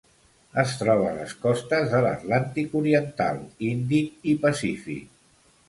Es troba a les costes de l'Atlàntic oriental, Índic i Pacífic.